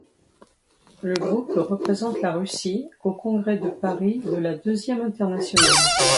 Le groupe représente la Russie au Congrès de Paris de la Deuxième Internationale.